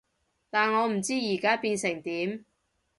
但我唔知而家變成點